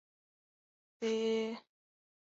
香港日治时期曾用作日本人俱乐部会所。